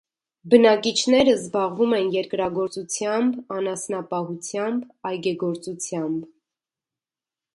Բնակիչները զբաղվում են երկրագործությամբ, անասնապահությամբ, այգեգործությամբ։